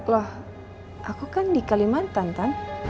lah aku kan di kalimantan tan